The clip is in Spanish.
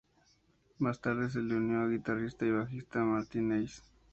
Más tarde se les unió el guitarrista y bajista Martin Ace.